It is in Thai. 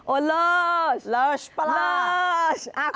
โอ้เลิร์ชเลิร์ชประหลาดเลิร์ชคุณผู้ชมเลิร์ช